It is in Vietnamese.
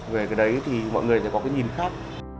về cái đấy thì mọi người sẽ có cái nhìn khác